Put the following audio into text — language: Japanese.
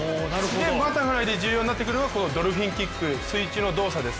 バタフライで重要になってくるのがドルフィンキック水中の動作です。